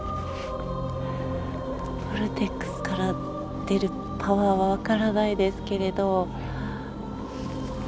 ボルテックスから出るパワーは分からないですけれど。